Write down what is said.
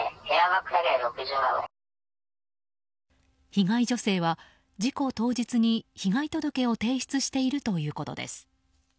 被害女性は事故当日に被害届を提出しているということです。